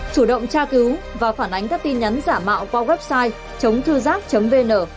chủ động tra cứu và phản ánh các tin nhắn giả mạo qua website chốngthưgiác vn